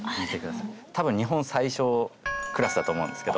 多分日本最小クラスだと思うんですけど。